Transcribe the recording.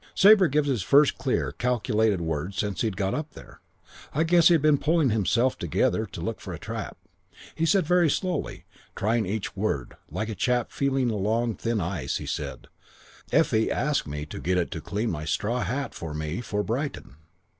"Sabre gives his first clear, calculated words since he had got up there. I guess he had been pulling himself together to look for a trap. He said very slowly, trying each word, like a chap feeling along on thin ice; he said, 'Effie asked me to get it to clean my straw hat for me for Brighton.'